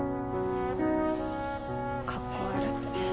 かっこ悪い。